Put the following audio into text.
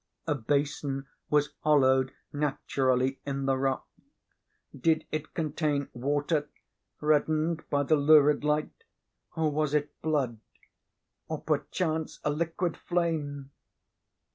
A basin was hollowed, naturally, in the rock. Did it contain water, reddened by the lurid light? or was it blood? or, perchance, a liquid flame?